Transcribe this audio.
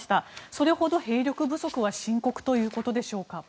それほど兵力不足は深刻ということでしょうか。